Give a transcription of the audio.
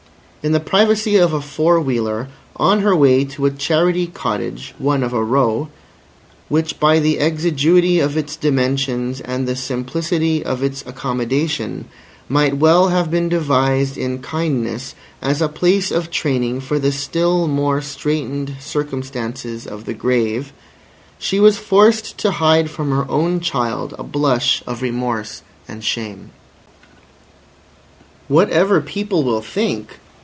In the privacy of a four wheeler, on her way to a charity cottage (one of a row) which by the exiguity of its dimensions and the simplicity of its accommodation, might well have been devised in kindness as a place of training for the still more straitened circumstances of the grave, she was forced to hide from her own child a blush of remorse and shame. Whatever people will think?